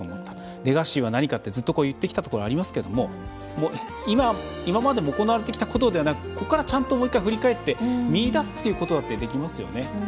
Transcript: レガシーとは何かってずっと言ってきたところがありますけど今まで行われてきたことではなくここからちゃんと振り返って見出すこともできますよね。